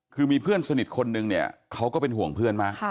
คือมีเพื่อนสนิทคนนึงเนี่ยเขาก็เป็นห่วงเพื่อนมาก